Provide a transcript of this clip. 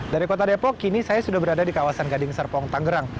dari kota depok kini saya sudah berada di kawasan gading serpong tangerang